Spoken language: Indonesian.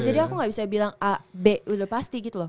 jadi aku gak bisa bilang a b udah pasti gitu loh